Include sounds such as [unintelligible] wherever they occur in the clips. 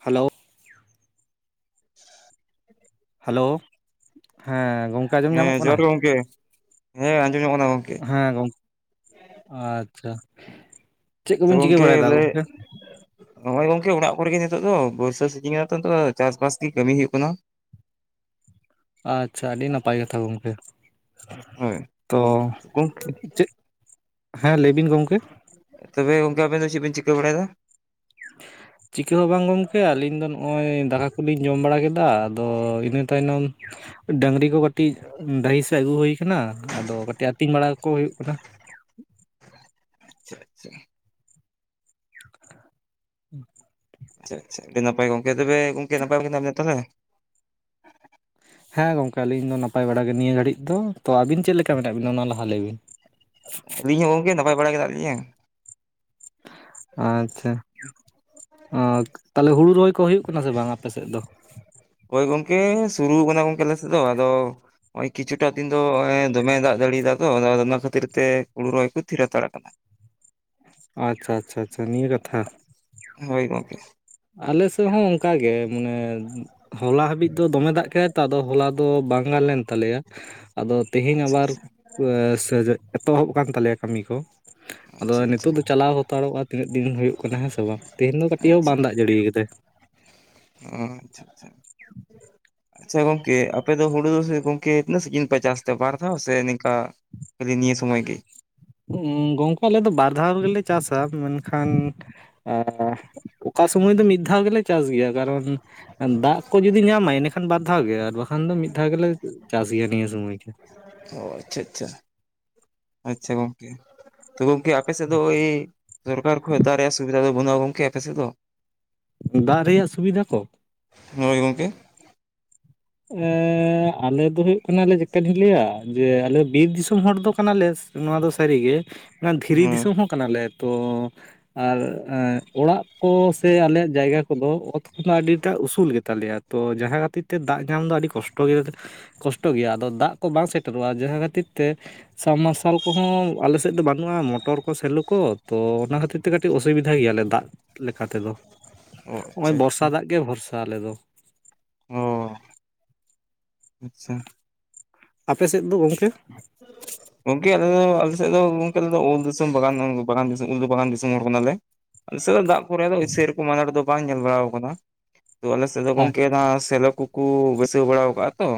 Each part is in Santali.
ᱦᱮᱞᱳ᱾ [inaudible] ᱦᱮᱞᱳ, ᱦᱮᱸ ᱜᱚᱝᱠᱮ ᱟᱸᱡᱚᱢ ᱧᱟᱢᱚᱜ ᱦᱮᱸ ᱠᱟᱱᱟ? ᱡᱚᱦᱟᱨ ᱜᱮ ᱜᱚᱝᱠᱮ ᱦᱮᱸ ᱟᱸᱡᱚᱢ ᱧᱟᱢᱚᱜ ᱠᱟᱱᱟ ᱜᱚᱝᱠᱮ᱾ ᱦᱮᱸ ᱜᱚᱝᱠᱮ ᱟᱪᱪᱷᱟ ᱪᱮᱫ ᱠᱚᱵᱤᱱ ᱪᱤᱠᱟᱹ ᱵᱟᱲᱟᱭᱮᱫᱟ ᱜᱚᱝᱠᱮ? ᱱᱚᱜ-ᱚᱭ ᱜᱚᱝᱠᱮ ᱚᱲᱟᱜ ᱠᱚᱨᱮ ᱜᱮ ᱱᱤᱛᱚᱜ ᱫᱚ ᱵᱚᱨᱥᱟ ᱥᱤᱡᱤᱧ ᱠᱟᱱᱟ ᱛᱚ ᱱᱤᱛᱳᱜ ᱫᱚ ᱪᱟᱥᱵᱟᱥ ᱜᱤ ᱠᱟᱹᱢᱤ ᱦᱩᱭᱩᱜ ᱠᱟᱱᱟ ᱾ [unintelligible] ᱟᱪᱪᱷᱟ ᱟᱰᱤ ᱱᱟᱯᱟᱭ ᱠᱟᱛᱷᱟ ᱜᱚᱢᱠᱮ ᱦᱳᱭ ᱛᱚ ᱜᱚᱝᱠᱮ ᱪᱮᱫ ᱦᱮᱸ ᱞᱟᱹᱭ ᱵᱤᱱ ᱜᱚᱝᱠᱮ᱾ ᱛᱚᱵᱮ ᱜᱩᱝᱠᱮ ᱟᱵᱮᱱ ᱫᱚ ᱪᱮᱫ ᱵᱮᱱ ᱪᱤᱠᱟᱹ ᱵᱟᱲᱟᱭᱫᱟ? [unintelligible] ᱪᱤᱠᱟᱹ ᱦᱚᱸ ᱵᱟᱝ ᱜᱚᱢᱠᱮ ᱟᱞᱤᱧ ᱫᱚ ᱱᱚᱜ-ᱚᱭ ᱫᱟᱠᱟ ᱠᱚᱞᱤᱧ ᱡᱚᱢ ᱵᱟᱲᱟ ᱠᱮᱫᱟ ᱟᱫᱚ ᱤᱱᱟᱹ ᱛᱟᱭᱱᱚᱢ ᱰᱟᱹᱝᱨᱤ ᱠᱚ ᱠᱟᱹᱴᱤᱡ ᱰᱟᱦᱤ ᱥᱮᱫ ᱟᱹᱜᱩ ᱦᱩᱭ ᱠᱟᱱᱟ ᱟᱫᱚ ᱠᱟᱹᱴᱤᱡ ᱟᱹᱛᱤᱧ ᱵᱟᱲᱟ ᱠᱚ ᱦᱩᱭᱩᱜ ᱠᱟᱱᱟ ᱾ ᱟᱪᱪᱷᱟ ᱟᱪᱪᱷᱟ ᱾ [unintelligible] ᱟᱪᱪᱷᱟ ᱟᱪᱪᱷᱟ ᱟᱰᱤ ᱱᱟᱯᱟᱭ ᱜᱚᱝᱠᱮ ᱛᱚᱵᱮ ᱜᱚᱝᱠᱮ ᱱᱟᱯᱟᱭ ᱜᱮ ᱢᱮᱱᱟᱜ ᱢᱮᱭᱟ ᱛᱟᱦᱞᱮ? ᱦᱮᱸ ᱜᱚᱝᱠᱮ ᱟᱹᱞᱤᱧ ᱫᱚ ᱱᱟᱯᱟᱭ ᱵᱟᱲᱟ ᱜᱮ ᱱᱤᱭᱟᱹ ᱜᱷᱟᱹᱲᱤᱡ ᱫᱚ ᱛᱚ ᱟᱵᱤᱱ ᱪᱮᱫ ᱞᱮᱠᱟ ᱢᱮᱱᱟᱜ ᱵᱤᱱᱟ ᱚᱱᱟ ᱞᱟᱦᱟ ᱞᱟᱹᱭ ᱵᱤᱱ? ᱟᱹᱞᱤᱧ ᱦᱚᱸ ᱜᱚᱝᱠᱮ ᱱᱟᱯᱟᱭ ᱵᱟᱲᱟᱭ ᱜᱮ ᱢᱮᱱᱟᱜ ᱞᱤᱧᱟ ᱾ ᱟᱪᱪᱷᱟ, ᱛᱟᱦᱞᱮ ᱦᱩᱲᱩ ᱨᱚᱦᱚᱭ ᱠᱚ ᱦᱩᱭᱩᱜ ᱠᱟᱱᱟ ᱥᱮ ᱵᱟᱝ ᱟᱯᱮ ᱥᱮᱫ ᱫᱚ? ᱦᱳᱭ ᱜᱚᱝᱠᱮ ᱥᱩᱨᱩ ᱠᱟᱱᱟ ᱜᱚᱝᱠᱮ ᱟᱞᱮ ᱥᱮᱫ ᱫᱚ, ᱟᱫᱚ ᱱᱚᱜ-ᱚᱭ ᱠᱤᱪᱷᱩᱴᱟᱜ ᱫᱤᱱ ᱫᱚ ᱱᱚᱜ-ᱚᱭ ᱫᱚᱢᱮ ᱫᱟᱜ ᱡᱟᱲᱤᱫᱟᱭ ᱛᱚ ᱚᱱᱟ ᱠᱷᱟᱹᱛᱤᱨ ᱛᱮ ᱦᱩᱲᱩ ᱨᱚᱦᱚᱭ ᱠᱚ ᱛᱷᱤᱨ ᱦᱟᱛᱟᱲ ᱠᱟᱫᱟ ᱾ ᱟᱪᱪᱷᱟ ᱟᱪᱪᱷᱟ ᱟᱪᱪᱷᱟ ᱱᱤᱭᱟᱹ ᱠᱟᱛᱷᱟ ᱾ ᱦᱳᱭ ᱜᱚᱝᱠᱮ ᱾ ᱟᱞᱮ ᱥᱮᱫ ᱦᱚᱸ ᱚᱝᱠᱟᱜᱮ ᱢᱟᱱᱮ ᱦᱚᱞᱟ ᱦᱟᱵᱤᱡ ᱫᱚ ᱫᱚᱢᱮ ᱫᱟᱜ ᱠᱮᱫᱟᱭ ᱛᱚ, ᱟᱫᱚ ᱦᱚᱞᱟ ᱫᱚ ᱵᱟᱝ ᱵᱟᱝ ᱞᱮᱱ ᱛᱟᱞᱮᱭᱟ ᱟᱫᱚ ᱛᱤᱦᱤᱧ ᱟᱪᱪᱷᱟ ᱟᱵᱟᱨ ᱟᱪᱪᱷᱟ ᱮᱛᱚᱦᱚᱵ ᱠᱟᱱ ᱛᱟᱞᱮᱭᱟ ᱠᱟᱹᱢᱤ ᱠᱚ᱾ ᱟᱫᱚ ᱟᱪᱪᱷᱟ ᱱᱤᱛᱳᱜ ᱫᱚ ᱟᱪᱪᱷᱟ ᱪᱟᱞᱟᱣ ᱦᱟᱛᱟᱲᱚᱜ-ᱟ ᱛᱤᱱᱟᱹᱜ ᱫᱤᱱ ᱦᱩᱭᱩᱜ ᱠᱟᱱᱟ ᱦᱮᱸᱥᱮ ᱵᱟᱝ ᱛᱮᱦᱮᱧ ᱫᱚ ᱠᱟᱹᱴᱤᱡ ᱦᱚᱸ ᱟᱪᱪᱷᱟ ᱵᱟᱝ ᱫᱟᱜ ᱡᱟᱹᱲᱤ ᱠᱟᱫᱟᱭ ᱾ ᱚ ᱟᱪᱪᱷᱟ ᱟᱪᱪᱷᱟ᱾ [unintelligible] ᱟᱪᱪᱷᱟ ᱜᱚᱝᱠᱮ ᱟᱯᱮ ᱫᱚ ᱦᱩᱲᱩ ᱫᱚ ᱜᱚᱢᱠᱮ ᱥᱤᱡᱤᱱ ᱯᱮ ᱪᱟᱥ ᱟᱯᱮ ᱵᱟᱨ ᱫᱷᱟᱣ ᱥᱮ ᱱᱤᱝᱠᱟ ᱠᱷᱟᱹᱞᱤ ᱱᱤᱭᱟᱹ ᱥᱚᱢᱚᱭ ᱜᱮ ᱾ ᱜᱚᱢᱠᱮ ᱟᱞᱮ ᱫᱚ ᱵᱟᱨ ᱫᱷᱟᱣ ᱜᱮᱞᱮ ᱪᱟᱥᱟ, ᱢᱮᱱᱠᱷᱟᱱ ᱚᱠᱟ ᱥᱩᱢᱚᱭ ᱫᱚ ᱢᱤᱫ ᱫᱷᱟᱣ ᱜᱮᱞᱮ ᱪᱟᱥ ᱜᱮᱭᱟ ᱠᱟᱨᱚᱱ ᱫᱟᱜ ᱠᱚ ᱡᱩᱫᱤ ᱧᱟᱢᱟᱭ ᱮᱸᱰᱮᱠᱷᱟᱱ ᱵᱟᱨ ᱫᱷᱟᱣ ᱜᱮ ᱟᱨ ᱵᱟᱠᱷᱟᱱ ᱫᱚ ᱢᱤᱫ ᱫᱷᱟᱣ ᱜᱮᱞᱮ ᱪᱟᱥ ᱜᱮᱭᱟ ᱱᱤᱭᱟᱹ ᱥᱩᱢᱚᱭ ᱜᱮ᱾ ᱚ ᱟᱪᱪᱷᱟ ᱟᱪᱪᱷᱟ ᱟᱪᱪᱷᱟ ᱾ ᱛᱚ ᱜᱚᱝᱠᱮ ᱟᱯᱮ ᱥᱮᱫ ᱫᱚ ᱳᱭ ᱥᱚᱨᱠᱟᱨ ᱠᱷᱚᱡ ᱫᱟᱜ ᱨᱮᱭᱟᱜ ᱥᱩᱵᱤᱫᱷᱟ ᱫᱚ ᱵᱟᱹᱱᱩᱜᱼᱟ ᱜᱚᱝᱠᱮ ᱟᱯᱮ ᱥᱮᱫ ᱫᱚ? ᱫᱟᱜ ᱨᱮᱭᱟᱜ ᱥᱩᱵᱤᱫᱷᱟ ᱠᱚ ᱦᱮᱸ ᱜᱚᱢᱠᱮ ᱾ ᱮᱸᱻ ᱟᱞᱮ ᱫᱚ ᱦᱩᱭᱩᱜ ᱠᱟᱱᱟᱞᱮ ᱪᱮᱠᱟᱛᱤᱧ ᱞᱟᱹᱭᱟ ᱡᱮ ᱟᱞᱮ ᱵᱤᱨ ᱫᱤᱥᱚᱢ ᱦᱚᱲ ᱫᱚ ᱠᱟᱱᱟᱞᱮ ᱱᱚᱣᱟ ᱫᱚ ᱥᱟᱹᱨᱤᱜᱮ᱾ ᱚᱱᱟ ᱫᱷᱤᱨᱤ ᱦᱮᱸ᱾ ᱫᱤᱥᱚᱢ ᱦᱚᱸ ᱠᱟᱱᱟᱞᱮ ᱛᱚ ᱟᱨ ᱚᱲᱟᱜ ᱠᱚ ᱥᱮ ᱟᱞᱮᱭᱟᱜ ᱡᱟᱭᱜᱟ ᱠᱚᱫᱚ ᱚᱛ ᱠᱷᱚᱱᱫᱚ ᱟᱹᱰᱤᱴᱟᱜ ᱩᱥᱩᱞ ᱜᱮᱛᱟᱞᱮᱭᱟ᱾ ᱛᱚ ᱡᱟᱦᱟᱸ ᱠᱷᱟᱹᱛᱤᱨ ᱛᱮ ᱫᱟᱜ ᱧᱟᱢ ᱫᱚ ᱟᱹᱰᱤ ᱠᱚᱥᱴᱚ ᱜᱮᱭᱟ ᱾ ᱠᱚᱥᱴᱚ ᱜᱮᱭᱟ ᱟᱫᱚ ᱫᱟᱜ ᱠᱚ ᱵᱟᱝ ᱥᱮᱴᱮᱨᱚᱜᱼᱟ ᱡᱟᱦᱟᱸ ᱠᱷᱟᱹᱛᱤᱨ ᱛᱮ ᱥᱟᱵᱢᱟᱨᱥᱟᱞ ᱠᱚᱦᱚᱸ ᱟᱞᱮ ᱥᱮᱫ ᱫᱚ ᱵᱟᱹᱱᱩᱜᱼᱟ ᱢᱚᱴᱚᱨ ᱠᱚ ᱥᱮᱞᱚ ᱠᱚ ᱛᱚ ᱚᱱᱟ ᱠᱷᱟᱹᱛᱤᱨ ᱛᱮ ᱠᱟᱹᱴᱤᱡ ᱚᱥᱩᱵᱤᱫᱟ ᱜᱮᱭᱟᱞᱮ ᱫᱟᱜ ᱞᱮᱠᱟ ᱛᱮᱫᱚ ᱚ ᱟᱪᱪᱷᱟ ᱱᱚᱜᱼᱚᱭ ᱟᱪᱪᱷᱟ᱾ ᱵᱚᱨᱥᱟ ᱫᱟᱜ ᱜᱮ ᱵᱷᱚᱨᱥᱟ ᱟᱞᱮ ᱫᱚ᱾ ᱚ ᱟᱪᱪᱷᱟ ᱾ ᱟᱯᱮ ᱥᱮᱫ ᱫᱚ ᱜᱚᱢᱠᱮ ᱜᱚᱝᱠᱮ ᱟᱞᱮ ᱟᱞᱮ ᱥᱮᱫ ᱫᱚ ᱜᱚᱢᱠᱮ ᱟᱞᱮ ᱩᱞ ᱫᱤᱥᱚᱢ ᱵᱟᱜᱟᱱ ᱵᱟᱜᱟᱱ ᱫᱤᱥᱚᱢ ᱩᱞ ᱵᱟᱜᱟᱱ ᱫᱤᱥᱚᱢ ᱦᱚᱲ ᱠᱟᱱᱟᱞᱮ ᱟᱞᱮ ᱥᱮᱫ ᱫᱚ ᱫᱟᱜ ᱠᱚᱨᱮ ᱫᱚ ᱥᱮᱨᱚᱠᱚᱢ ᱟᱱᱟᱴ ᱫᱚ ᱵᱟᱝ ᱧᱮᱞ ᱵᱟᱲᱟ ᱠᱟᱱᱟ ᱛᱚ ᱟᱞᱮ ᱥᱮᱫ ᱫᱚ ᱟᱪ ᱜᱚᱢᱠᱮ ᱚᱱᱟ ᱥᱮᱞᱚ ᱠᱚᱠᱚ ᱵᱟᱹᱭᱥᱟᱹᱣ ᱵᱟᱲᱟ ᱠᱟᱜᱼᱟ ᱛᱚ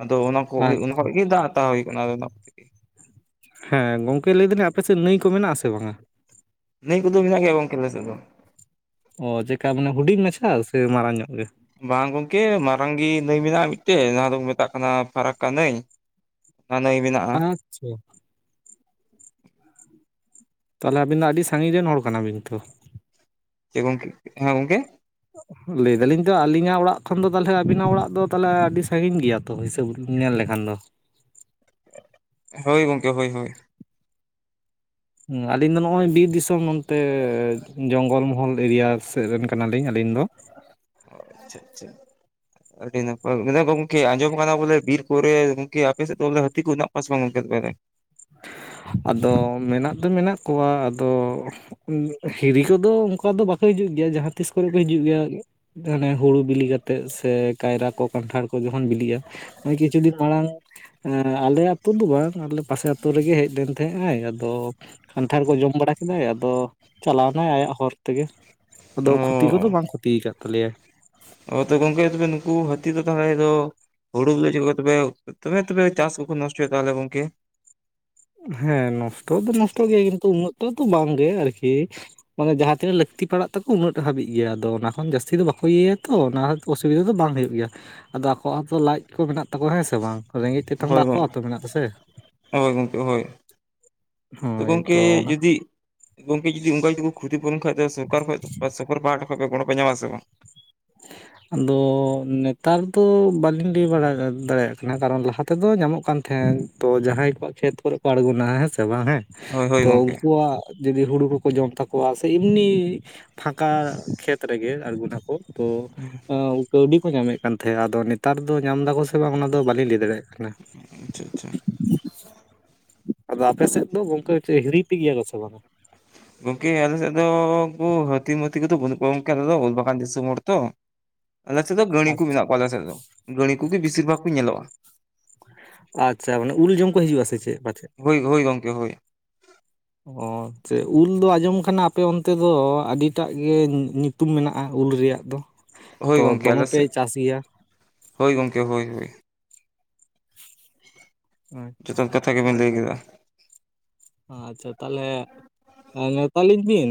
ᱟᱫᱚ ᱚᱱᱟ ᱠᱚ ᱚᱱᱟ ᱠᱷᱚᱡ ᱜᱮ ᱫᱟᱜ ᱦᱟᱛᱟᱣ ᱦᱩᱭ ᱠᱟᱱᱟ ᱟᱫᱚ ᱚᱱᱟ ᱠᱚᱜᱮ ᱦᱮᱸ ᱜᱚᱝᱠᱮ ᱞᱟᱹᱭ ᱫᱟᱹᱞᱤᱧ ᱟᱯᱮ ᱥᱮᱫ ᱱᱟᱹᱭ ᱠᱚ ᱢᱮᱱᱟᱜ ᱟᱥᱮ ᱵᱟᱝ-ᱟ ᱱᱟᱹᱭ ᱠᱚᱫᱚ ᱢᱮᱱᱟᱜ ᱜᱮᱭᱟ ᱜᱚᱝᱠᱮ ᱟᱞᱮ ᱥᱮᱫ ᱫᱚᱼᱼ ᱚ ᱪᱮᱠᱟ ᱢᱟᱱᱮ ᱦᱩᱰᱤᱧ ᱢᱟᱪᱷᱟ ᱥᱮ ᱢᱟᱨᱟᱝ ᱧᱚᱜ ᱜᱮ ᱵᱟᱝ ᱜᱚᱢᱠᱮ ᱢᱟᱨᱟᱝ ᱜᱮ ᱱᱟᱹᱭ ᱢᱮᱱᱟᱜᱼᱟ ᱢᱤᱫᱴᱮᱡ ᱱᱚᱣᱟ ᱫᱚᱠᱚ ᱢᱮᱛᱟᱜ ᱠᱟᱱᱟ ᱯᱷᱟᱨᱟᱠᱠᱟ ᱱᱟᱹᱭ ᱦᱚᱸ ᱱᱟᱹᱭ ᱢᱮᱱᱟᱜᱼᱟ [unintelligible] ᱛᱟᱦᱚᱞᱮ ᱟᱵᱤᱱ ᱫᱚ ᱟᱹᱰᱤ ᱥᱟᱺᱜᱤᱧ ᱨᱮᱱ ᱦᱚᱲ ᱠᱟᱱᱟ ᱵᱤᱱ ᱛᱚᱼᱼ ᱪᱮᱫ ᱜᱚᱝᱠᱮ ᱦᱮᱸ ᱜᱚᱝᱠᱮ [inaudible] ᱞᱟᱹᱭ ᱫᱟᱞᱤᱧ ᱛᱚ ᱟᱹᱞᱤᱧᱟᱜ ᱚᱲᱟᱜ ᱠᱷᱚᱱ ᱫᱚ ᱛᱟᱦᱚᱞᱮ ᱟᱵᱤᱱᱟᱜ ᱚᱲᱟᱜ ᱫᱚ ᱛᱟᱦᱚᱞᱮ ᱟᱹᱰᱤ ᱥᱟᱺᱜᱤᱧ ᱜᱮᱭᱟ ᱛᱚ ᱦᱤᱥᱟᱹᱵ [unintelligible] ᱧᱮᱞ ᱞᱮᱠᱷᱟᱱ ᱫᱚ ᱦᱳᱭ ᱜᱚᱢᱠᱮ ᱦᱳᱭ ᱦᱳᱭ ᱦᱚᱸ ᱟᱞᱤᱧ ᱫᱚ ᱱᱚᱜᱼᱚᱭ ᱵᱤᱨ ᱫᱤᱥᱚᱢ ᱱᱚᱱᱛᱮ ᱡᱚᱝᱜᱚᱞ ᱢᱚᱦᱚᱞ ᱮᱨᱤᱭᱟ ᱥᱮᱫ ᱨᱮᱱ ᱠᱟᱱᱟᱞᱤᱧ ᱟᱹᱞᱤᱧ ᱫᱚ ᱟᱪᱪᱷᱟ ᱟᱪᱪᱷᱟ ᱟᱹᱰᱤ ᱱᱟᱯᱟᱭ [unintelligible] ᱟᱫᱚ ᱢᱮᱱᱟᱜ ᱫᱚ ᱢᱮᱱᱟᱜ ᱠᱚᱣᱟ ᱟᱫᱚᱼᱼ ᱦᱤᱨᱤ ᱠᱚᱫᱚ ᱚᱱᱠᱟ ᱫᱚ ᱵᱟᱠᱚ ᱦᱤᱡᱩᱜ ᱜᱮᱭᱟ ᱡᱟᱦᱟᱸ ᱛᱤᱥ ᱠᱚᱨᱮ ᱠᱚ ᱦᱤᱡᱩᱜ ᱜᱮᱭᱟ ᱟᱱᱮ ᱦᱩᱲᱩ ᱵᱤᱞᱤ ᱠᱟᱛᱮᱜ ᱥᱮ ᱠᱟᱭᱨᱟ ᱠᱚ ᱠᱟᱱᱴᱷᱟᱲ ᱡᱚᱠᱷᱚᱱ ᱵᱤᱞᱤᱜᱼᱟ ᱱᱚᱜ ᱠᱤᱪᱷᱩ ᱫᱤᱱ ᱢᱟᱲᱟᱝ ᱟᱞᱮ ᱟᱹᱛᱩ ᱫᱚ ᱵᱟᱝ ᱟᱞᱮ ᱯᱟᱥᱮ ᱟᱛᱳ ᱨᱮᱜᱮ ᱦᱮᱡ ᱞᱮᱱ ᱛᱟᱦᱮᱸᱜ ᱟᱭ ᱟᱫᱚᱼᱼ ᱠᱟᱱᱴᱷᱟᱲ ᱠᱚ ᱡᱚᱢ ᱵᱟᱲᱟ ᱠᱮᱫᱟᱭ ᱟᱫᱚ ᱪᱟᱞᱟᱣ ᱮᱱᱟᱭ ᱟᱭᱟᱜ ᱦᱚᱨ ᱛᱮᱜᱮ ᱟᱫᱚ ᱠᱷᱚᱛᱤ ᱠᱚᱫᱚ ᱵᱟᱝ ᱠᱷᱚᱛᱤᱭ ᱟᱠᱟᱫ ᱛᱟᱞᱮᱭᱟᱭ [unintelligible] ᱜᱚᱝᱠᱮ ᱛᱚᱵᱮ ᱱᱩᱠᱩ ᱦᱟᱹᱛᱤ ᱫᱚ [unintelligible] ᱫᱚ [unintelligible] ᱛᱚᱵᱮ ᱛᱚᱵᱮ ᱪᱟᱥ ᱦᱚᱸᱠᱚ ᱱᱚᱥᱴᱭᱟ ᱛᱟᱦᱚᱞᱮ ᱜᱚᱝᱠᱮ ᱦᱮᱸ ᱱᱚᱥᱴᱚ ᱫᱚ ᱱᱚᱥᱴᱚ ᱜᱮᱭᱟ ᱠᱤᱱᱛᱩ ᱩᱱᱟᱹᱜ ᱛᱚᱛᱚ ᱵᱟᱝ ᱜᱮ ᱟᱨᱠᱤ ᱢᱟᱱᱮ ᱡᱟᱦᱟᱸ ᱛᱤᱱᱟᱹᱜ ᱞᱟᱹᱠᱛᱤ ᱯᱟᱲᱟᱜ ᱛᱟᱠᱚ ᱩᱱᱟᱹᱜ ᱴᱟᱜ ᱦᱟᱹᱵᱤᱡ ᱜᱮᱭᱟ ᱟᱫᱚ ᱚᱱᱟ ᱠᱷᱚᱱ ᱡᱟᱹᱥᱛᱤ ᱫᱚ ᱵᱟᱠᱚ ᱤᱭᱟᱹᱭᱟ ᱛᱚ ᱚᱱᱟᱼᱼ ᱚᱥᱩᱵᱤᱫᱟ ᱫᱚ ᱵᱟᱝ ᱦᱩᱭᱩᱜ ᱜᱮᱭᱟ ᱟᱫᱚ ᱟᱠᱚᱣᱟᱜ ᱦᱚᱸᱛᱚ ᱞᱟᱡ ᱠᱚ ᱢᱮᱱᱟᱜ ᱛᱟᱠᱚᱣᱟ ᱦᱮᱸ ᱥᱮ ᱵᱟᱝ ᱨᱮᱸᱜᱮᱡ ᱛᱮᱛᱟᱝ ᱫᱚ ᱦᱳᱭ ᱜᱚᱝ ᱟᱠᱚᱣᱟᱜ ᱦᱚᱛᱚ ᱢᱮᱱᱟᱜ [unintelligible] ᱥᱮ ᱦᱳᱭ ᱜᱚᱢᱠᱮ ᱦᱳᱭ ᱛᱚ ᱦᱳᱭ ᱜᱚᱢᱠᱮ ᱚᱱᱟ ᱡᱩᱫᱤᱼᱼ ᱜᱚᱝᱠᱮ ᱡᱩᱫᱤ ᱚᱱᱠᱟ ᱡᱩᱫᱤ ᱠᱚ ᱠᱷᱚᱛᱤ ᱯᱩᱨᱩᱱ ᱠᱷᱟᱡ ᱫᱚ ᱥᱚᱨᱠᱟᱨ ᱠᱷᱚᱡ ᱥᱚᱨᱠᱟᱨ ᱯᱟᱦᱟᱴᱟ ᱠᱷᱚᱱ ᱜᱚᱲᱚ ᱯᱮ ᱧᱟᱢᱟ ᱥᱮ ᱵᱟᱝ? [inaudible] ᱟᱫᱚ ᱱᱮᱛᱟᱨ ᱫᱚ ᱵᱟᱹᱞᱤᱧ ᱞᱟᱹᱭ ᱵᱟᱲᱟ ᱫᱟᱲᱮᱭᱟᱜ ᱠᱟᱱᱟ ᱠᱟᱨᱚᱱ ᱞᱟᱦᱟ ᱛᱮ ᱫᱚ ᱧᱟᱢᱚᱜ ᱠᱟᱱ ᱛᱟᱦᱮᱸᱫ ᱛᱚ ᱡᱟᱦᱟᱸᱭ ᱠᱚᱣᱟᱜ ᱠᱷᱮᱛ ᱠᱚᱨᱮ ᱠᱚ ᱟᱲᱜᱚᱱᱟ ᱦᱮᱸ ᱥᱮ ᱵᱟᱝ ᱦᱮᱸ ᱦᱳᱭ ᱦᱳᱭ ᱛᱚ ᱜᱚᱝᱠᱮ ᱩᱱᱠᱩᱣᱟᱜ ᱡᱩᱫᱤ ᱦᱩᱲᱩ ᱠᱚᱠᱚ ᱡᱚᱢ ᱛᱟᱠᱚᱣᱟ ᱥᱮ ᱮᱢᱱᱤᱼᱼ ᱯᱷᱟᱠᱟ ᱠᱷᱮᱛ ᱨᱮᱜᱮ ᱟᱬᱜᱚᱱ ᱟᱠᱚ ᱛᱚᱼᱼ ᱠᱟᱹᱣᱰᱤ ᱠᱚ ᱧᱟᱢᱮᱫ ᱠᱟᱱ ᱛᱟᱦᱮᱸᱼᱟ ᱟᱫᱚ ᱱᱮᱛᱟᱨ ᱫᱚ ᱧᱟᱢ ᱮᱫᱟ ᱠᱚ ᱥᱮ ᱵᱟᱝ ᱚᱱᱟ ᱫᱚ ᱵᱟᱞᱤᱧ ᱞᱟᱹᱭ ᱫᱟᱲᱮᱭᱟᱜ ᱠᱟᱱᱟ ᱟᱪᱪᱷᱟ ᱟᱪᱪᱷᱟ ᱟᱫᱚ ᱟᱯᱮ ᱥᱮᱫ ᱫᱚ ᱜᱚᱝᱠᱮ ᱦᱤᱨᱤ ᱯᱮ ᱜᱮᱭᱟᱞ ᱥᱮ ᱵᱟᱝᱟ ᱜᱚᱝᱠᱮ ᱟᱞᱮ ᱥᱮᱫ ᱫᱚ ᱩᱱᱠᱩ ᱦᱟᱹᱛᱤ ᱢᱟᱹᱛᱤ ᱠᱚᱫᱚ ᱵᱟᱹᱱᱩᱜ ᱠᱚᱣᱟ ᱜᱚᱢᱠᱮ ᱟᱞᱮ ᱫᱚ ᱩᱞ ᱵᱟᱜᱟᱱ ᱫᱤᱥᱚᱢ ᱦᱚᱲ ᱛᱚ ᱟᱞᱮ ᱥᱮᱫ ᱫᱚ ᱜᱟᱹᱲᱤ ᱠᱚ ᱢᱮᱱᱟᱜ ᱠᱚᱣᱟ ᱟᱞᱮ ᱥᱮᱫ ᱫᱚ ᱜᱟᱹᱲᱤ ᱠᱚᱜᱮ ᱵᱮᱥᱤᱨ ᱵᱷᱟᱜᱽ ᱠᱚ ᱧᱮᱞᱚᱜᱼᱟ ᱟᱪᱪᱷᱟ ᱢᱟᱱᱮ ᱩᱞ ᱡᱚᱢ ᱠᱚ ᱦᱤᱡᱩᱜ ᱟ ᱥᱮ ᱪᱮᱫ ᱯᱟᱪᱮᱫ ᱦᱳᱭ ᱦᱳᱭ ᱜᱚᱝᱠᱮ ᱦᱳᱭ ᱚ ᱩᱞ ᱫᱚ ᱟᱸᱡᱚᱢ ᱠᱟᱱᱟ ᱟᱯᱮ ᱚᱱᱛᱮ ᱫᱚ ᱟᱹᱰᱤᱴᱟᱜ ᱜᱮ ᱧᱩᱛᱩᱢ ᱢᱮᱱᱟᱜᱼᱟ ᱩᱞ ᱨᱮᱭᱟᱜ ᱫᱚ ᱦᱳᱭ ᱛᱚ ᱜᱚᱝᱠᱮ ᱟᱞᱮ ᱫᱚᱢᱮᱯᱮ ᱥᱮᱫ ᱪᱟᱥ ᱜᱮᱭᱟ ᱦᱳᱭ ᱜᱚᱝᱠᱮ ᱦᱳᱭ ᱦᱳᱭ ᱡᱚᱛᱚ ᱟᱪᱪᱷᱟ ᱠᱟᱛᱷᱟ ᱜᱮᱵᱮᱱ ᱞᱟᱹᱭ ᱠᱮᱫᱟ ᱟᱪᱪᱷᱟ ᱛᱟᱦᱚᱞᱮ ᱱᱮᱣᱛᱟᱞᱤᱧ ᱵᱤᱱ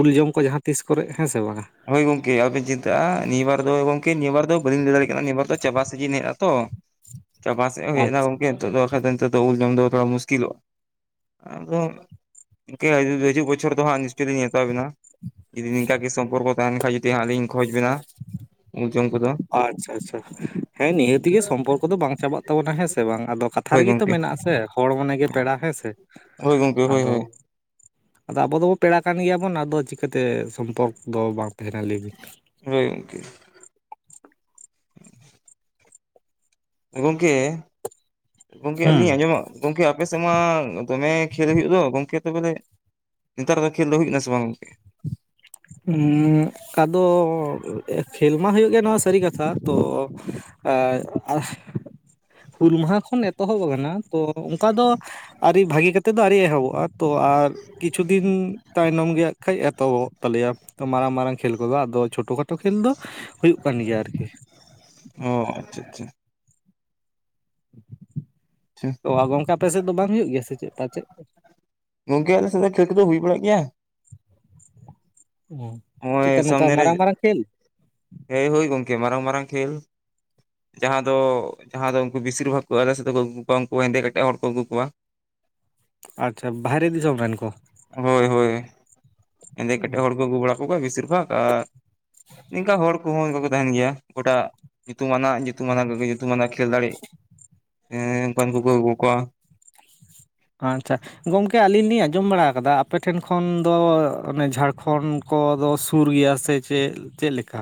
ᱩᱞ ᱡᱚᱢ ᱠᱚ ᱡᱟᱦᱟᱸ ᱛᱤᱥ ᱠᱚᱨᱮ ᱦᱮᱸ ᱥᱮ ᱵᱟᱝᱟ? ᱦᱳᱭ ᱜᱚᱝᱠᱮ ᱟᱵᱤᱱ ᱪᱤᱱᱛᱟᱹᱜᱼᱟ ᱱᱤᱭᱟᱹ ᱵᱟᱨ ᱫᱚ ᱜᱚᱝᱠᱮ ᱱᱤᱭᱟᱹᱵᱟᱨ ᱫᱚ ᱵᱟᱹᱞᱤᱧ ᱞᱟᱹᱭ ᱫᱟᱲᱮᱭᱟᱜ ᱠᱟᱱᱟ ᱱᱤᱭᱟᱹᱵᱟᱨ ᱫᱚ ᱪᱟᱵᱟᱟᱥᱤᱡᱤᱱᱧ ᱦᱮᱡ ᱱᱟ ᱛᱚ [inaudible] ᱪᱟᱯᱟᱥᱮᱫ ᱦᱮᱡ ᱟᱪᱪᱷᱟ ᱮᱱᱟ ᱜᱚᱢᱠᱮ ᱱᱤᱛ ᱫᱚ ᱵᱟ ᱠᱷᱟ ᱱᱤᱛᱚᱜ ᱫᱚ ᱩᱞ ᱡᱚᱢ ᱫᱚ ᱛᱷᱚᱲᱟ ᱢᱩᱥᱠᱤᱞᱚᱜᱼᱟ ᱟᱫᱚ ᱤᱱᱠᱟᱹ ᱦᱤᱡᱩᱜ ᱵᱚᱪᱷᱚᱨ ᱫᱚ ᱦᱟᱸᱜ ᱱᱤᱥᱪᱚᱭ ᱞᱤᱧ ᱱᱮᱛᱟᱣᱟᱵᱮᱱᱟ ᱡᱩᱤᱝᱠᱟ ᱜᱮ ᱥᱚᱢ ᱯᱚᱨᱠᱚ ᱛᱟᱦᱮᱱ ᱠᱷᱟ ᱡᱫᱤ ᱦᱟᱸᱜ ᱞᱤᱧ ᱠᱷᱚᱚᱡᱽ ᱵᱮᱱᱟ ᱠᱚᱫᱚ ᱟᱪᱪᱷᱟ ᱟᱪᱪᱷᱟ ᱦᱮᱸ ᱱᱤᱦᱟᱹ ᱛᱮᱜᱮ ᱥᱚᱢᱯᱚᱨᱠᱚ ᱫᱚ ᱵᱟᱝ ᱪᱟᱵᱟᱜ ᱛᱟᱵᱚᱱᱟ ᱦᱮᱸ ᱥᱮ ᱵᱟᱝ ᱟᱫᱚ ᱠᱟᱛᱷᱟ ᱦᱳᱭ ᱨᱮᱜᱮ ᱛᱚ ᱜᱚᱝᱠᱮ ᱢᱮᱱᱟᱜᱥᱮ ᱦᱚᱲ ᱢᱚᱱᱮᱜ ᱜᱮ ᱯᱮᱲᱟ ᱦᱮᱸ ᱥᱮ ᱦᱳᱭ ᱜᱚᱝᱠᱮ ᱦᱳᱭ ᱦᱳᱭ ᱟᱫᱚ ᱟᱫᱚ ᱟᱵᱚ ᱫᱚᱵᱚ ᱯᱮᱲᱟ ᱠᱟᱱ ᱜᱮᱭᱟᱵᱚᱱ ᱟᱫᱚ ᱪᱤᱠᱟᱹᱛᱮ ᱥᱚᱢᱯᱚᱨᱠ ᱫᱚ ᱵᱟᱝ ᱛᱟᱦᱮᱱᱟ ᱞᱟᱹᱭᱵᱤᱱ ᱦᱳᱭ ᱜᱚᱝᱠᱮ [inaudible] ᱜᱚᱝᱠᱮ ᱜᱚᱝᱠᱮ ᱦᱩᱸ ᱟᱹᱞᱤᱧ ᱟᱸᱡᱚᱢᱚᱜ ᱜᱚᱢᱠᱮ ᱟᱯᱮ ᱥᱮᱫ ᱢᱟ ᱫᱚᱢᱮ ᱠᱷᱮᱞ ᱦᱩᱭᱩᱜ ᱫᱚ ᱜᱚᱢᱠᱮ ᱛᱚᱵᱚᱞᱮ ᱱᱮᱛᱟᱨ ᱫᱚ ᱠᱷᱮᱞ ᱫᱚ ᱦᱩᱭᱱᱟ ᱥᱮ ᱵᱟᱝ ᱜᱚᱝᱠᱮ ᱦᱩ ᱠᱟᱫᱚ ᱠᱷᱮᱞ ᱢᱟ ᱦᱩᱭᱩᱜ ᱜᱮᱭᱟ ᱱᱚᱣᱟ ᱥᱟᱹᱨᱤ ᱠᱟᱛᱷᱟ ᱛᱚ ᱦᱩᱞ ᱢᱟᱦᱟ ᱠᱷᱚᱱ ᱮᱛᱚᱦᱚᱵ ᱟᱠᱟᱱᱟ ᱛᱚ ᱚᱱᱠᱟ ᱫᱚ ᱟᱹᱣᱨᱤ ᱵᱷᱟᱜᱤ ᱠᱟᱛᱮᱮᱫ ᱫᱚ ᱟᱹᱣᱨᱤ ᱮᱦᱚᱵᱚᱜᱼᱟ ᱛᱚ ᱟᱨ ᱠᱤᱪᱷᱩ ᱫᱤᱱ ᱛᱟᱭᱱᱚᱢ ᱜᱮ ᱦᱟᱜ ᱠᱷᱟᱡ ᱮᱛᱚᱦᱚᱵ ᱦᱩᱭᱩᱜ ᱛᱟᱞᱮᱭᱟ ᱛᱚ ᱢᱟᱨᱟᱝ ᱢᱟᱨᱟᱝ ᱠᱷᱮᱞ ᱠᱚᱫᱚ ᱟᱫᱚ ᱪᱷᱳᱴᱳ ᱠᱷᱟᱴᱳ ᱠᱷᱮᱞ ᱫᱚ ᱦᱩᱭᱩᱜ ᱠᱟᱱ ᱜᱮᱭᱟ ᱟᱨᱠᱤ ᱚ ᱟᱪᱪᱷᱟ ᱟᱪᱪᱷᱟ ᱟᱪᱪᱷᱟ ᱛᱳ ᱜᱚᱝᱠᱠᱟ ᱟᱯᱮ ᱥᱮᱫ ᱫᱚ ᱵᱟᱝ ᱦᱩᱭᱩᱜ ᱜᱮᱭᱟ ᱥᱮ ᱪᱮᱫ ᱯᱟᱪᱮᱫ? ᱜᱚᱝᱠᱮ ᱟᱞᱮ ᱥᱮᱫᱟᱭ ᱴᱷᱟᱹᱠ ᱫᱚ ᱦᱩᱭ ᱵᱟᱲᱟᱜ ᱜᱮᱭᱟ [unintelligible] ᱱᱚᱜᱼᱚᱭ ᱱᱚᱝᱠᱟ ᱥᱟᱢᱱᱮ ᱨᱮ ᱢᱟᱨᱟᱝ ᱢᱟᱨᱟᱝ ᱠᱷᱮᱞ? ᱦᱮᱭ ᱦ ᱜᱚᱝᱠᱮ ᱢᱟᱨᱟᱝ ᱢᱟᱨᱟᱝ ᱠᱷᱮᱞ ᱡᱟᱦᱟᱸ ᱫᱚ ᱡᱟᱦᱟᱸ ᱫᱚ ᱩᱱᱠᱩ ᱵᱮᱥᱤᱨ ᱵᱷᱟᱜᱽ ᱠᱚ ᱟᱞᱮ ᱥᱟᱛᱮ ᱠᱚ ᱟᱹᱜᱩ ᱠᱚᱣᱟ ᱩᱱᱠᱩ ᱦᱮᱸᱫᱮ ᱠᱟ ᱠᱟᱛᱮᱮᱡ ᱦᱚᱲ ᱠᱚ ᱟᱹᱜᱩ ᱠᱚᱣᱟ ᱟᱪᱪᱷᱟ ᱵᱟᱦᱨᱮ ᱫᱤᱥᱚᱢ ᱨᱮᱱ ᱠᱚ ᱦᱳᱭ ᱦᱳᱭ ᱮᱸᱫᱮ ᱠᱟᱹᱴᱤᱡ ᱦᱚᱲ ᱠᱚ ᱜᱩ ᱵᱟᱲᱟ ᱜᱩ ᱠᱚᱣᱟ ᱵᱤᱥᱤᱨ ᱵᱷᱟᱜᱽ ᱟᱨ ᱱᱤᱝᱠᱟ ᱦᱚᱲ ᱠᱚᱦᱚᱸ ᱠᱚ ᱛᱟᱦᱮᱱ ᱜᱮᱭᱟ ᱚᱠᱟᱴᱟᱜ ᱧᱩᱢᱟᱱᱟᱜ ᱧᱩ [unintelligible] ᱧᱩᱛᱩᱢᱟᱱᱟᱜ ᱠᱷᱮᱞ ᱫᱟᱲᱮᱜ ᱚᱝᱠᱟᱱ ᱠᱠᱚᱠᱚ ᱟᱹᱜᱩ ᱠᱣᱟ ᱟᱪᱪᱷᱟ ᱜᱚᱝᱠᱮ ᱟᱹᱞᱤᱧ ᱞᱤᱧ ᱟᱸᱡᱚᱢ ᱵᱟᱲᱟ ᱟᱠᱟᱫᱟ ᱟᱯᱮᱴᱷᱮᱱ ᱠᱷᱚᱱ ᱫᱚ ᱚᱱᱮ ᱡᱷᱟᱲᱠᱷᱚᱸᱰᱼᱼ ᱠᱚᱫᱚ ᱥᱩᱨ ᱜᱮᱭᱟ ᱥᱮ ᱪᱮᱫ ᱪᱮᱫ ᱞᱮᱠᱟ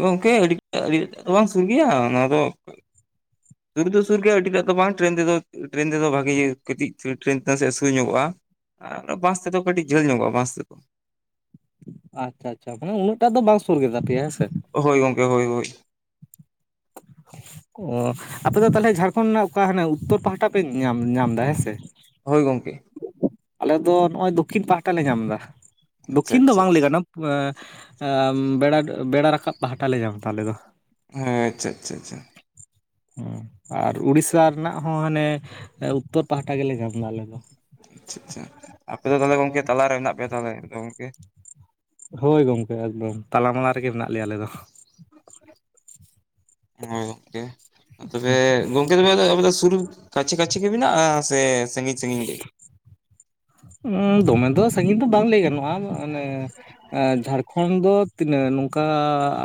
ᱜᱚᱝᱠᱮ ᱟᱹᱰᱤ ᱟᱹᱰᱤᱴᱟᱜ ᱫᱚ ᱵᱟᱝ ᱥᱟᱺᱜᱤᱧᱼᱟ ᱱᱟᱣᱟ ᱫᱚ [inaudible] ᱥᱩᱨ ᱫᱚ ᱥᱩᱨ ᱜᱮᱭᱟ ᱟᱹᱰᱤᱴᱟᱜ ᱫᱚ ᱵᱟᱝ ᱴᱨᱮᱱ ᱛᱮᱫᱚ ᱴᱨᱮᱱ ᱛᱮᱫᱚ ᱵᱷᱟᱜᱮ ᱠᱟᱹᱴᱤᱡ [unintelligible] ᱥᱮᱫ ᱥᱩᱨ ᱧᱚᱜᱚᱜᱼᱟ ᱵᱟᱥ ᱛᱮᱫᱚ ᱠᱟᱹᱴᱤᱡ ᱡᱷᱟᱹᱞ ᱧᱚᱜᱼᱟ ᱵᱟᱥ ᱛᱮᱫᱚ ᱟᱪᱪᱷᱟ ᱟᱪᱪᱷᱟ ᱢᱟᱱᱮ ᱩᱱᱟᱹᱜ ᱴᱟ ᱫᱚ ᱵᱟᱝ ᱥᱩᱨ ᱠᱮᱫᱟ ᱯᱮᱭᱟ ᱦᱮᱸ ᱥᱮ ᱦᱳᱭ ᱜᱚᱝᱠᱮ ᱦᱳᱭ ᱦᱳᱭ [inaudible] ᱚ ᱟᱯᱮ ᱫᱚ ᱛᱟᱦᱚᱞᱮ ᱡᱷᱟᱲᱠᱷᱚᱸᱰ ᱨᱮᱱᱟᱜ ᱚᱠᱟ ᱦᱟᱱᱮ ᱩᱛᱛᱚᱨ ᱯᱟᱦᱴᱟ ᱯᱮ ᱧᱟᱢ ᱧᱟᱢᱫᱟ ᱦᱮᱸ ᱥᱮ ᱦᱳᱭ ᱜᱚᱢᱠᱮ᱾ ᱟᱞᱮ ᱫᱚ ᱱᱚᱜᱼᱚᱭ ᱫᱚᱠᱠᱷᱤᱱ ᱯᱟᱦᱴᱟ ᱞᱮ ᱧᱟᱢᱫᱟ᱾ ᱟᱪᱪᱷᱟ ᱫᱚᱠᱠᱷᱤᱱ ᱫᱚ ᱟᱪᱪᱷᱟ ᱵᱟᱝᱞᱮ ᱟᱪᱪᱷᱟ ᱜᱟᱱᱚᱜᱼᱟ᱾ ᱵᱮᱲᱟ ᱵᱮᱲᱟ ᱵᱮᱲᱟ ᱨᱟᱠᱟᱵ ᱯᱟᱦᱴᱟᱞᱮ ᱧᱟᱢ ᱫᱟ ᱟᱞᱮ ᱫᱚ᱾ ᱦᱮᱸ ᱟᱪᱪᱷᱟ ᱟᱪᱪᱷᱟ ᱟᱪᱪᱷᱟ᱾ ᱦᱚᱸ ᱟᱨ ᱩᱲᱤᱥᱥᱟ ᱨᱮᱱᱟᱜ ᱦᱚᱸ ᱦᱟᱱᱮ ᱩᱛᱛᱚᱨ ᱯᱟᱦᱴᱟ ᱜᱮᱞᱮ ᱧᱟᱢᱫᱟ ᱟᱞᱮ ᱫᱚ᱾ ᱟᱪᱪᱷᱟ ᱟᱪᱪᱷᱟ ᱟᱯᱮ ᱫᱚ ᱛᱟᱦᱚᱞᱮ ᱜᱚᱢᱠᱮ ᱛᱟᱞᱟᱨᱮ ᱢᱮᱱᱟᱜ ᱯᱮᱭᱟ ᱛᱟᱦᱚᱞᱮ ᱟᱫᱚ ᱜᱚᱢᱠᱮ᱾ ᱦᱳᱭ ᱜᱚᱢᱠᱮ ᱮᱠᱫᱚᱢ ᱛᱟᱞᱟᱢᱟᱞᱟ ᱨᱮᱜᱮ ᱢᱮᱱᱟᱜ ᱞᱮᱭᱟ ᱟᱞᱮ ᱫᱚ᱾ ᱦᱳᱭ ᱜᱚᱢᱠᱮ᱾ᱺᱛᱚᱵᱮ ᱜᱚᱢᱠᱮ ᱛᱚᱵᱮ ᱟᱯᱮ ᱫᱚ ᱥᱩᱨᱩ ᱠᱟᱪᱷᱮ ᱠᱟᱪᱷᱮ ᱜᱮ ᱢᱮᱱᱟᱜᱼᱟ ᱥᱮ ᱥᱟᱹᱜᱤᱧ ᱥᱟᱹᱜᱤᱧ ᱜᱮ᱾ ᱩᱸ ᱫᱚᱢᱮ ᱫᱚ ᱥᱟᱺᱜᱤᱧ ᱫᱚ ᱵᱟᱝ ᱞᱟᱹᱭ ᱜᱟᱱᱚᱜᱼᱟ ᱟᱱᱮ ᱟ ᱡᱷᱟᱲᱠᱷᱚᱸᱰ ᱫᱚ ᱛᱤᱱᱟᱹᱜ ᱱᱚᱝᱠᱟ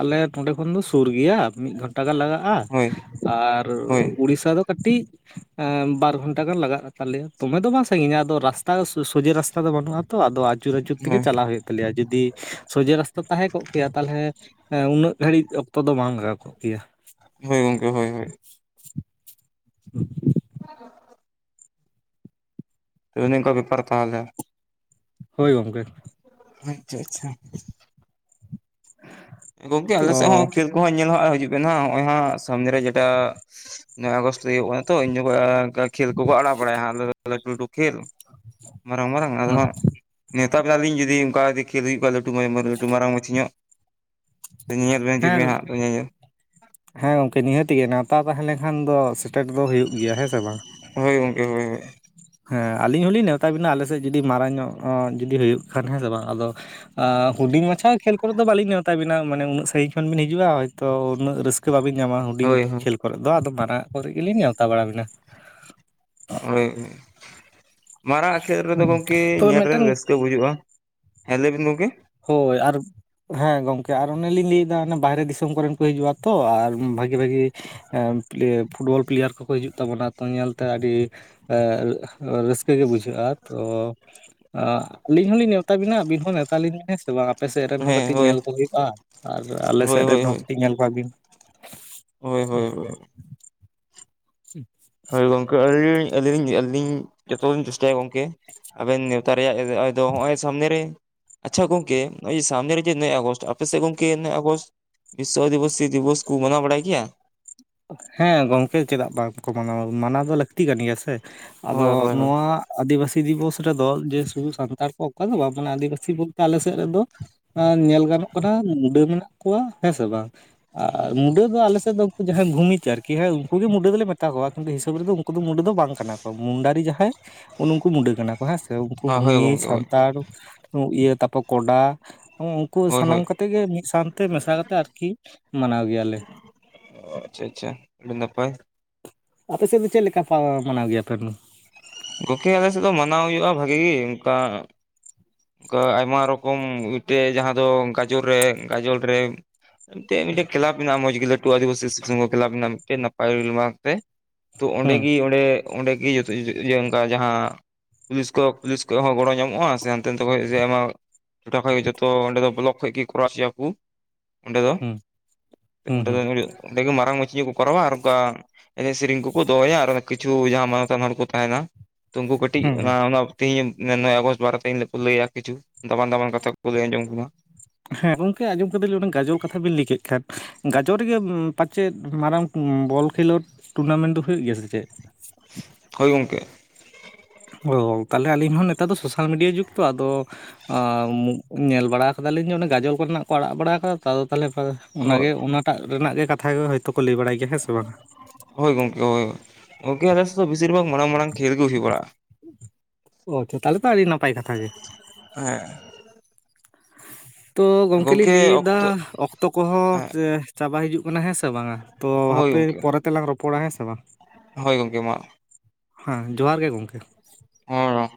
ᱟᱞᱮ ᱱᱚᱸᱰᱮ ᱠᱷᱚᱱ ᱫᱚ ᱥᱩᱨ ᱜᱮᱭᱟ, ᱢᱤᱫ ᱜᱷᱚᱱᱴᱟ ᱜᱟᱱ ᱞᱟᱜᱟᱜᱼᱟ᱾ ᱦᱳᱭ ᱟ ᱟᱨ ᱦᱳᱭ ᱩᱲᱤᱥᱥᱟ ᱫᱚ ᱠᱟᱹᱴᱤᱡ ᱟ ᱵᱟᱨ ᱜᱷᱚᱱᱴᱟ ᱜᱟᱱ ᱞᱟᱜᱟᱜ ᱛᱟᱞᱮᱭᱟ᱾ ᱫᱚᱢᱮ ᱫᱚ ᱵᱟᱝ ᱥᱟᱺᱜᱤᱧᱟ ᱟᱫᱚ ᱨᱟᱥᱛᱟ ᱥᱚᱡᱮ ᱨᱟᱥᱛᱟ ᱫᱚ ᱵᱟᱹᱱᱩᱜ-ᱟ ᱛᱚ ᱟᱫᱚ ᱟᱹᱪᱩᱨ ᱟᱹᱪᱩᱨ ᱛᱮᱜᱮ ᱦᱳᱭ ᱪᱟᱞᱟᱣ ᱦᱩᱭᱩᱜ᱾ ᱛᱟᱞᱮᱭᱟ ᱡᱩᱫᱤ ᱥᱚᱡᱷᱮ ᱨᱟᱥᱛᱟ ᱛᱟᱦᱮᱸ ᱠᱚᱜ ᱠᱮᱭᱟ ᱛᱟᱞᱦᱮ ᱦᱮᱸ ᱩᱱᱟᱹᱜ ᱜᱷᱟᱹᱲᱤᱡ ᱚᱠᱛᱚ ᱫᱚ ᱵᱟᱝ ᱞᱟᱜᱟᱣ ᱠᱚᱜ ᱠᱮᱭᱟ᱾ ᱦᱳᱭ ᱜᱚᱢᱠᱮ ᱦᱳᱭ ᱦᱳᱭ᱾ [inaudible] [inaudible] ᱚᱱᱮ ᱚᱱᱠᱟ ᱵᱮᱯᱟᱨ ᱛᱟᱦᱚᱞᱮ᱾ ᱦᱳᱭ ᱜᱚᱢᱠᱮ᱾ ᱟᱪᱪᱷᱟ ᱟᱪᱪᱷᱟ᱾ [inaudible] ᱜᱚᱢᱠᱮ ᱛᱚ ᱟᱞᱮ ᱥᱮᱫ ᱦᱚᱸ ᱠᱷᱮᱞ ᱠᱚᱦᱚᱸ ᱧᱮᱞ ᱦᱟᱸᱜ ᱦᱤᱡᱩᱜ ᱵᱮᱱ ᱦᱟᱸᱜ ᱦᱚᱸᱜ-ᱚᱭ ᱦᱟᱸᱜ ᱥᱟᱢᱱᱮ ᱨᱮ ᱡᱮᱴᱟ ᱱᱚᱭ ᱟᱜᱚᱥᱴ ᱨᱮ ᱦᱩᱭᱩᱜ ᱠᱟᱱᱟ ᱛᱚ᱾ ᱤᱧ ᱡᱚᱠᱷᱚᱡ ᱟ ᱚᱱᱠᱟ ᱠᱷᱮᱞ ᱠᱚᱠᱚ ᱟᱲᱟᱜ ᱵᱟᱲᱟᱭᱟ ᱦᱟᱸᱜ ᱟᱞᱮ ᱫᱟ ᱞᱟᱹᱴᱩ ᱞᱟᱹᱴᱩ ᱠᱷᱮᱞ᱾ [inaudible] ᱢᱟᱨᱟᱝ ᱢᱟᱨᱟᱝ ᱟᱫᱚ ᱦᱟᱸᱜ ᱱᱮᱣᱛᱟ ᱵᱮᱱᱟᱞᱤᱧ ᱡᱩᱫᱤ ᱚᱱᱠᱟ ᱡᱩᱫᱤ ᱠᱷᱮᱞ ᱦᱩᱭᱩᱜ ᱠᱷᱟᱡ ᱞᱟᱹᱴᱩ [unintelligible] ᱞᱟᱹᱴᱩ ᱢᱟᱨᱟᱝ ᱢᱟᱪᱷᱤ ᱧᱚᱜ᱾ ᱧᱮᱧᱮᱞ ᱵᱮᱱ ᱦᱤᱡᱩᱜ ᱦᱮᱸ ᱵᱮᱱ ᱦᱟᱸᱜ ᱛᱚᱵᱮ ᱧᱮᱧᱮᱞ᱾ ᱦᱮᱸ ᱜᱚᱝᱠᱮ ᱱᱤᱦᱟᱹᱛ ᱜᱮ ᱱᱮᱶᱛᱟ ᱛᱟᱦᱮᱸ ᱞᱮᱱᱠᱷᱟᱱ ᱫᱚ ᱥᱮᱴᱮᱨ ᱫᱚ ᱦᱩᱭᱩᱜ ᱜᱮᱭᱟ ᱦᱮᱸ ᱥᱮ ᱵᱟᱝ? ᱦᱳᱭ ᱜᱚᱢᱠᱮ ᱦᱳᱭ ᱦᱳᱭ᱾ ᱦᱮᱸ ᱟᱹᱞᱤᱧ ᱦᱚᱞᱤᱧ ᱱᱮᱣᱛᱟ ᱵᱤᱱᱟ ᱟᱞᱮᱥᱮᱫ ᱡᱩᱫᱤ ᱢᱟᱨᱟᱝ ᱧᱚᱜ ᱚ ᱡᱩᱫᱤ ᱦᱩᱭᱩᱜ ᱠᱷᱟᱱ ᱦᱮᱸ ᱥᱮ ᱵᱟᱝ᱾ ᱟᱫᱚ ᱟ ᱦᱩᱰᱤᱧ ᱢᱟᱪᱷᱟ ᱠᱷᱮᱞ ᱠᱚᱨᱮ ᱫᱚ ᱵᱟᱞᱤᱧ ᱱᱮᱣᱛᱟ ᱵᱤᱱᱟ ᱢᱟᱱᱮ ᱩᱱᱟᱹᱜ ᱥᱟᱺᱜᱤᱧ ᱠᱷᱚᱱ ᱵᱤᱱ ᱦᱤᱡᱩᱜᱼᱟ, ᱦᱚᱭᱛᱳ ᱩᱱᱟᱹᱜ ᱨᱟᱹᱥᱠᱟᱹ ᱵᱟᱵᱤᱱ ᱧᱟᱢᱟ ᱦᱩᱰᱤᱧ ᱦᱳᱭ ᱦᱳᱭ ᱠᱷᱮᱞ ᱠᱚᱨᱮ ᱫᱚ, ᱟᱫᱚ ᱢᱟᱨᱟᱝᱟᱜ ᱠᱚᱨᱮ ᱜᱮᱞᱤᱧ ᱱᱮᱣᱛᱟ ᱵᱟᱲᱟᱵᱤᱱᱟ᱾ ᱦᱳᱭ᱾ ᱢᱟᱨᱟᱝᱟᱜ ᱠᱷᱮᱞ ᱨᱮᱫᱚ ᱦᱮᱸ ᱜᱚᱢᱠᱮ ᱛᱚᱵᱮ ᱧᱮᱞ ᱨᱮ ᱢᱤᱫᱴᱮᱱ ᱨᱟᱹᱥᱠᱟᱹ ᱵᱩᱡᱩᱜᱼᱟ᱾ᱦᱮᱸ ᱞᱟᱹᱭ ᱵᱤᱱ ᱜᱚᱢᱠᱮ᱾ ᱦᱳᱭ ᱟᱨ ᱦᱮᱸ ᱜᱚᱝᱠᱮ ᱟᱨ ᱚᱱᱮᱞᱤᱧ ᱞᱟᱹᱭ ᱫᱟ ᱚᱱᱮ ᱵᱟᱦᱨᱮ ᱫᱤᱥᱚᱢ ᱠᱚᱨᱮᱱ ᱠᱚ ᱦᱤᱡᱩᱜᱼᱟ ᱛᱚ ᱟᱨ ᱵᱷᱟᱜᱤ ᱵᱷᱟᱜᱤ ᱮ ᱯᱞᱮ ᱯᱷᱩᱴᱵᱚᱞ ᱯᱞᱮᱭᱟᱨ ᱠᱚᱠᱚ ᱦᱤᱡᱩᱜ ᱛᱟᱵᱚᱱᱟ ᱛᱚ ᱧᱮᱞᱛᱮ ᱟᱹᱰᱤ ᱮ ᱨᱟᱹ ᱨᱟᱹᱥᱠᱟᱹ ᱜᱮ ᱵᱩᱡᱷᱟᱹᱜᱼᱟ ᱛᱚ ᱚ ᱟᱹᱞᱤᱧ ᱦᱚᱸᱞᱤᱧ ᱱᱮᱶᱛᱟ ᱵᱤᱱᱟ ᱟᱹᱵᱤᱱ ᱦᱚᱸ ᱱᱮᱶᱛᱟ ᱞᱤᱧ ᱢᱮ᱾ ᱦᱮᱸ ᱥᱮ ᱵᱟᱝ ᱟᱯᱮ ᱥᱮᱜ ᱨᱮᱱ ᱦᱚᱸ ᱦᱮᱸ ᱠᱟᱹᱴᱤᱡ ᱦᱳᱭ ᱧᱮᱞ ᱠᱚ ᱦᱩᱭᱩᱜ-ᱟ ᱟᱨ ᱟᱞᱮ ᱦᱳᱭ ᱦᱳᱭ ᱥᱮᱫ ᱨᱮᱱ ᱦᱚᱸ ᱦᱳᱭ ᱠᱟᱹᱴᱤᱡ ᱧᱮᱞ ᱠᱚᱣᱟ ᱵᱤᱱ᱾ [inaudible] ᱦᱳᱭ ᱦᱳᱭ ᱴᱷᱤᱠ᱾ ᱦᱳᱭ ᱜᱚᱝᱠᱮ ᱟᱹᱞᱤᱧ ᱟᱹᱞᱤᱧ ᱞᱤᱧ ᱟᱹᱞᱤᱧ ᱡᱚᱛᱚ ᱞᱤᱧ ᱪᱮᱥᱴᱟᱭᱟ ᱜᱚᱝᱠᱮ᱾ ᱟᱵᱮᱱ ᱱᱮᱣᱛᱟ ᱨᱮᱭᱟᱜ ᱚᱭ ᱫᱚ ᱦᱚᱸᱜ-ᱚᱭ ᱥᱟᱢᱱᱮ ᱨᱮ ᱟᱪᱪᱷᱟ ᱜᱚᱢᱠᱮ ᱱᱚᱜ ᱚᱭ ᱥᱟᱢᱱᱮ ᱨᱮᱜᱮ ᱱᱚᱭ ᱟᱜᱚᱥᱴ ᱟᱯᱮ ᱥᱮ ᱜᱚᱢᱠᱮ ᱱᱚᱭ ᱟᱜᱚᱥᱴ, ᱵᱤᱥᱥᱚ ᱟᱹᱫᱤᱵᱟᱹᱥᱤ ᱫᱤᱵᱚᱥ ᱠᱚ ᱢᱟᱱᱟᱣ ᱵᱟᱲᱟᱭ ᱜᱮᱭᱟ, ᱦᱮᱸ ᱜᱚᱝᱠᱮ ᱪᱮᱫᱟᱜ ᱵᱟᱝᱠᱚ ᱢᱟᱱᱟᱣᱟ ᱢᱟᱱᱟᱣ ᱫᱚ ᱞᱟᱹᱠᱛᱤ ᱠᱟᱱ ᱜᱮᱭᱟ ᱥᱮ, ᱟᱫᱚ ᱦᱳᱭ ᱦᱳᱭ ᱦᱳᱭ ᱱᱚᱣᱟ ᱟᱹᱫᱤᱵᱟᱹᱥᱤ, ᱫᱤᱵᱚᱥ ᱨᱮᱫᱚ ᱡᱮ ᱥᱩᱫᱩ ᱥᱟᱱᱛᱟᱲ ᱠᱚ ᱚᱠᱟ ᱫᱚ ᱵᱟᱝ ᱢᱟᱱᱮ ᱟᱹᱫᱤᱵᱟᱹᱥᱤ ᱵᱚᱞᱛᱮ ᱟᱞᱮ ᱥᱮᱫ ᱨᱮᱫᱚ, ᱧᱮᱞ ᱜᱟᱱᱚᱜ ᱠᱟᱱᱟ ᱢᱩᱰᱟᱹ ᱢᱮᱱᱟᱜ ᱠᱚᱣᱟ ᱦᱮᱸ ᱥᱮ ᱵᱟᱝ ᱟᱨ ᱢᱩᱰᱟᱹ ᱫᱚ ᱟᱞᱮᱥᱮᱫ ᱫᱚ, ᱡᱟᱦᱟᱸᱭ ᱵᱷᱩᱢᱤᱠᱟ ᱟᱨ ᱠᱤ ᱩᱱᱠᱩ ᱜᱮ ᱢᱩᱰᱟᱹ ᱫᱚᱞᱮ ᱢᱮᱛᱟ ᱠᱚᱣᱟ ᱠᱤᱱᱛᱩ ᱦᱤᱥᱟᱹᱵ ᱨᱮᱫᱚ ᱩᱱᱠᱩ ᱫᱚ ᱢᱩᱰᱟᱹ ᱫᱚ ᱵᱟᱝ ᱠᱟᱱᱟ ᱠᱚ ᱢᱩᱱᱰᱟᱨᱤ ᱡᱟᱦᱟᱸᱭ, ᱩᱱᱠᱩ ᱢᱩᱰᱟᱹ ᱠᱟᱱᱟ ᱠᱚ ᱦᱮᱸ ᱥᱮ ᱩᱱᱠᱩ ᱦᱳᱭ ᱵᱷᱩᱢᱤ ᱜᱚᱝᱠᱮ ᱦᱳᱭ ᱥᱟᱱᱛᱟᱲ ᱤᱭᱟᱹ ᱛᱟᱨᱯᱚᱨ ᱠᱚᱰᱟ, ᱩᱱᱠᱩ ᱦᱳᱭ ᱦᱳᱭ ᱥᱟᱱᱟᱢ ᱠᱟᱛᱮ ᱜᱮ ᱢᱤᱫ ᱥᱟᱶᱛᱮ ᱢᱮᱥᱟ ᱠᱟᱛᱮ ᱟᱨᱠᱤ ᱢᱟᱱᱟᱣ ᱜᱮᱭᱟᱞᱮ, ᱚ ᱟᱪᱪᱷᱟ ᱟᱪᱪᱷᱟ ᱟᱹᱰᱤ ᱱᱟᱯᱟᱭ, ᱟᱯᱮ ᱥᱮᱫ ᱫᱚ ᱪᱮᱫ ᱞᱮᱠᱟ ᱯᱟᱣᱟᱨ ᱢᱟᱱᱟᱣ ᱜᱮᱭᱟ ᱯᱮ ᱚᱱᱟ, ᱜᱚᱢᱠᱮ ᱟᱞᱮ ᱥᱮᱫ ᱫᱚ ᱢᱟᱱᱟᱣ ᱦᱩᱭᱩᱜ-ᱟ ᱵᱷᱟᱜᱤ ᱚᱱᱠᱟ, ᱚᱱᱠᱟ ᱟᱭᱢᱟ ᱨᱚᱠᱚᱢ ᱢᱤᱫᱴᱮᱡ ᱡᱟᱦᱟᱸ ᱫᱚ ᱜᱟᱡᱚᱨ ᱨᱮ ᱜᱟᱡᱚᱨ ᱨᱮ, ᱢᱤᱫᱴᱮᱱ ᱢᱤᱫᱴᱮᱡ ᱠᱮᱞᱟᱯ ᱢᱮᱱᱟᱜ-ᱟ ᱢᱚᱡᱽ ᱜᱮ ᱞᱟᱹᱴᱩ ᱟᱹᱫᱤᱵᱟᱹᱥᱤ ᱥᱩᱥᱚᱝᱜᱚ ᱠᱮᱞᱟᱯ ᱢᱮᱱᱟᱜ-ᱟ ᱢᱤᱫᱴᱮᱱ ᱱᱟᱯᱟᱭ ᱛᱮ- ᱛᱚ ᱚᱸᱰᱮ ᱦᱩᱸ ᱜᱮ ᱚᱸᱰᱮ, ᱚᱸᱰᱮ ᱜᱮ ᱡᱚᱛᱚ ᱚᱱᱠᱟ ᱡᱟᱦᱟᱸ ᱯᱩᱞᱤᱥ ᱠᱚ ᱯᱩᱞᱤᱥ ᱠᱚ ᱦᱚᱸ ᱜᱚᱲᱚ ᱧᱟᱢᱚᱜᱼᱟ ᱥᱮ, ᱚᱱᱛᱮ ᱠᱷᱚᱡ ᱟᱭᱢᱟ ᱴᱚᱴᱷᱟ ᱠᱷᱚᱡ ᱡᱚᱛᱚ ᱚᱸᱰᱮ ᱫᱚ ᱵᱞᱚᱠ ᱠᱷᱚᱡ ᱜᱮ ᱠᱚᱨᱟᱣ ᱦᱚᱪᱚᱭᱟ ᱠᱚ, ᱚᱸᱰᱮ ᱫᱚ ᱦᱩᱸ ᱦᱩᱸ ᱚᱸᱰᱮ ᱫᱚ ᱦᱩᱸ ᱚᱸᱰᱮ ᱜᱮ ᱢᱟᱨᱟᱝ ᱢᱟᱹᱪᱤ ᱧᱚᱜ ᱠᱚ ᱠᱚᱨᱟᱣᱟ ᱟᱨ ᱚᱱᱠᱟ, ᱮᱱᱮᱡ ᱥᱮᱨᱮᱧ ᱠᱚᱠᱚ ᱫᱚᱦᱚᱭᱟ ᱟᱨ ᱠᱤᱪᱷᱩ ᱡᱟᱦᱟᱸ ᱢᱟᱱᱚᱛᱟᱱ ᱦᱚᱲ ᱠᱚ ᱛᱟᱦᱮᱱᱟ, ᱛᱚ ᱩᱱᱠᱩ ᱠᱟᱹᱴᱤᱡ ᱦᱩᱸ ᱦᱩᱸ ᱚᱱᱟ ᱛᱤᱦᱤᱧ ᱱᱚᱭ ᱟᱜᱚᱥᱴ ᱵᱟᱨᱮ ᱛᱮᱧ ᱞᱟᱹ ᱞᱟᱹᱭᱟ ᱠᱤᱪᱷᱩ ᱫᱟᱢᱟᱱ ᱫᱟᱵᱟᱱ ᱠᱟᱛᱷᱟ ᱠᱚ ᱞᱟᱹᱭ ᱟᱸᱡᱚᱢ ᱠᱟᱱᱟ᱾ ᱦᱮᱸ ᱜᱚᱢᱠᱮ ᱟᱸᱡᱚᱢ ᱠᱟᱫ ᱞᱤᱧ ᱜᱟᱡᱚᱞ ᱠᱟᱛᱷᱟ ᱵᱤᱱ ᱞᱟᱹᱭ ᱠᱮᱫ ᱠᱷᱟᱱ ᱜᱟᱡᱚᱞ ᱨᱮᱜᱮ ᱯᱟᱪᱮᱫ ᱢᱟᱨᱟᱝ ᱵᱚᱞ ᱠᱷᱮᱞᱳᱰ ᱴᱩᱨᱱᱟᱢᱮᱱᱴ ᱫᱚ ᱦᱩᱭᱩᱜ ᱜᱮᱭᱟ ᱥᱮ ᱪᱮᱫ? ᱦᱳᱭ ᱜᱚᱢᱠᱮ, ᱚ ᱛᱟᱦᱞᱮ ᱟᱞᱤᱧ ᱦᱚᱸ ᱱᱮᱛᱟᱨ ᱫᱚ ᱥᱳᱥᱟᱞ ᱢᱤᱰᱤᱭᱟ ᱡᱩᱜᱽ ᱛᱚ ᱟᱫᱚ, ᱟᱸ ᱧᱮᱞ ᱵᱟᱲᱟ ᱠᱟᱫᱟᱞᱤᱧ ᱡᱮ ᱚᱱᱮ ᱜᱟᱡᱚᱞ ᱠᱚ ᱨᱮᱱᱟᱜ ᱠᱚ ᱟᱲᱟᱜ ᱵᱟᱲᱟ ᱠᱟᱫᱟ ᱛᱚ ᱟᱫᱚ ᱛᱟᱦᱚᱞᱮ ᱚᱱᱟ ᱦᱳᱭ ᱜᱮ ᱚᱱᱟᱴᱟᱜ ᱨᱮᱱᱟᱜ ᱜᱮ ᱠᱟᱛᱷᱟ ᱜᱮ ᱦᱳᱭᱛᱳ ᱠᱚ ᱞᱟᱹᱭ ᱵᱟᱲᱟᱭ ᱜᱮᱭᱟ ᱦᱮᱸ ᱥᱮ ᱵᱟᱝ? ᱦᱳᱭ ᱜᱚᱢᱠᱮ ᱦᱳᱭ ᱜᱚᱢᱠᱮ ᱟᱞᱮ ᱥᱮᱱ ᱫᱚ ᱵᱮᱥᱤ ᱢᱟᱨᱟᱝ ᱢᱟᱨᱟᱝ ᱠᱷᱮᱞ ᱜᱮ ᱦᱩᱭ ᱵᱟᱲᱟᱜ-ᱟ᱾ ᱚ ᱛᱚ ᱛᱟᱦᱞᱮ ᱛᱚ ᱟᱹᱰᱤ ᱱᱟᱯᱟᱭ ᱠᱟᱛᱷᱟ ᱜᱮ᱾ ᱦᱮᱸ ᱛᱚ ᱜᱚᱢᱠᱮ ᱞᱤᱧ ᱜᱚᱝᱠᱮ ᱞᱟᱹᱭ ᱮᱫᱟ ᱚᱠᱛᱚ ᱚᱠᱛᱚ ᱠᱚᱦᱚᱸ ᱦᱮᱸ ᱪᱟᱵᱟ ᱦᱤᱡᱩᱜ ᱠᱟᱱᱟ ᱦᱮᱸ ᱥᱮ ᱵᱟᱝᱟ? ᱛᱚ ᱦᱳᱭ ᱦᱟᱯᱮ ᱜᱚᱝᱠᱮ ᱯᱚᱨᱮ ᱛᱮᱞᱟᱝ ᱨᱚᱯᱚᱲᱟ ᱦᱮᱸ ᱥᱮ ᱵᱟᱝ? ᱦᱳᱭ ᱜᱚᱢᱠᱮ ᱢᱟ᱾ ᱦᱮᱸ ᱡᱚᱦᱟᱨ ᱜᱮ ᱜᱚᱢᱠᱮ᱾ ᱦᱚᱭ᱾